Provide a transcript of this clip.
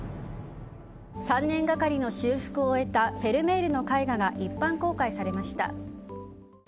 ３年がかりの修復を終えたフェルメールの絵画が一般公開されました。